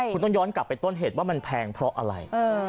คุณต้องย้อนกลับไปต้นเหตุว่ามันแพงเพราะอะไร